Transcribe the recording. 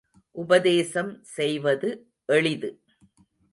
உபதேசம் செய்வது எளிது.